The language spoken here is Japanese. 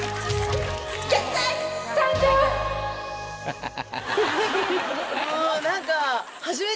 ハハハ！